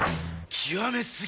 極め過ぎ！